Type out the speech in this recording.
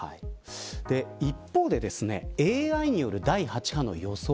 一方でＡＩによる第８波の予測